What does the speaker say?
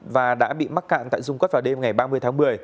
và đã bị mắc cạn tại dung quất vào đêm ngày ba mươi tháng một mươi